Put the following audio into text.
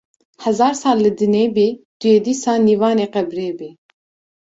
Hezar sal li dinê bî tu yê dîsa nîvanê qebrê bî